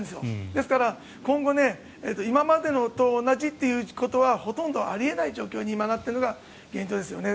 ですから、今後今までと同じということはほとんどあり得ない状況になっているのが現状ですよね。